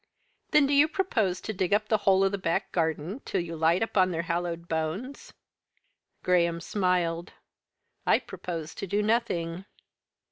"Then do you propose to dig up the whole of the back garden till you light upon their hallowed bones?" Graham smiled. "I propose to do nothing."